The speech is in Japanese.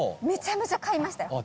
めちゃめちゃ買いました。